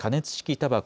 たばこ